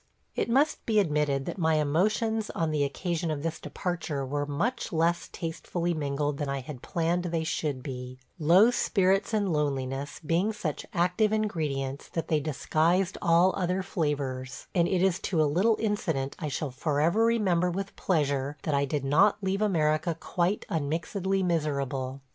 ... It must be admitted that my emotions on the occasion of this departure were much less tastefully mingled than I had planned they should be, low spirits and loneliness being such active ingredients that they disguised all other flavors, and it is to a little incident I shall forever remember with pleasure that I did not leave America quite unmixedly miserable.